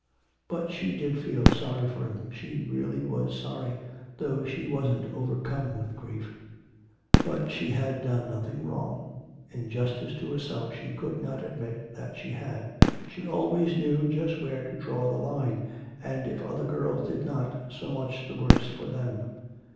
But she did feel sorry for him, she really was sorry, though she wasn't overcome with grief. But she had done nothing wrong. In justice to herself she could not admit that she had. She always knew just where to draw the line, and if other girls did not, so much the worse for them.